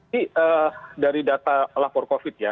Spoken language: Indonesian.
ini dari data lapor covid ya